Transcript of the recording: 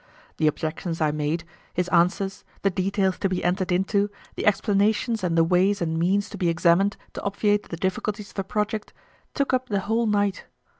The objections I made, his answers, the details to be entered into, the explanations and the ways and means to be examined to obviate the difficulties of the project, took up the whole night.